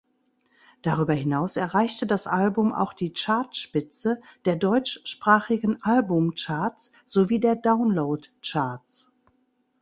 Darüber hinaus erreichte das Album auch die Chartspitze der deutschsprachigen Albumcharts sowie der Downloadcharts.